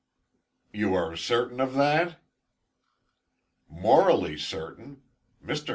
"You are certain of that?" "Morally certain. Mr.